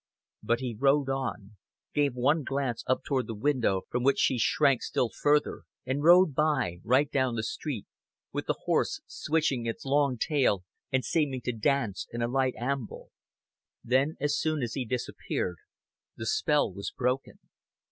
But he rode on gave one glance up toward the windows from which she shrank still further, and rode by, right down the street, with the horse swishing its long tail and seeming to dance in a light amble. Then, as soon as he disappeared, the spell was broken.